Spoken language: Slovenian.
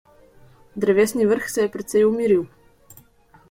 Drevesni vrh se je precej umiril.